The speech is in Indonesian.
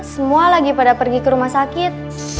semua lagi pada pergi ke rumah sakit